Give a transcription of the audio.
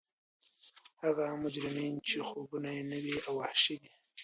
هغه مجرمین چې خوبونه یې نوي او وحشي دي